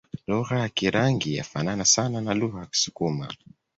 Lugha ya Kirangi yafanana sana na lugha za Kisukuma